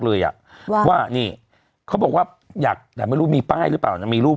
เลยอ่ะว่าว่านี่เขาบอกว่าอยากแต่ไม่รู้มีป้ายหรือเปล่านะมีรูป